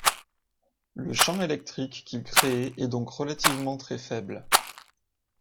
Le champ électrique qu'il créé est donc relativement très faible.